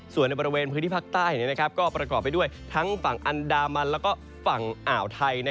ส่วนในบริเวณพื้นที่ภาคใต้ก็ประกอบไปด้วยทั้งฝั่งอันดามันแล้วก็ฝั่งอ่าวไทย